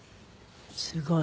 すごい。